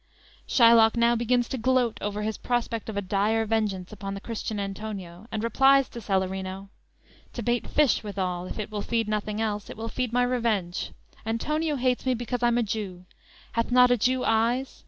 "_ Shylock now begins to gloat over his prospect of a dire vengeance upon the Christian Antonio, and replies to Salarino: _"To bait fish withal; if it will feed nothing else, It will feed my revenge! Antonio hates me because I'm a Jew; Hath not a Jew eyes?